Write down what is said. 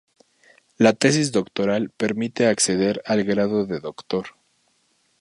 La tesis doctoral permite acceder al grado de Doctor.